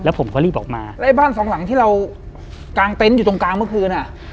ผมก็รีบออกมาแล้วไอ้บ้านสองหลังที่เรากางเต็นต์อยู่ตรงกลางเมื่อคืนอ่ะ